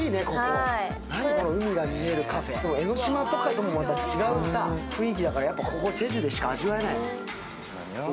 江の島とかともまた違う雰囲気だからやっぱここ、チェジュでしか味わえない。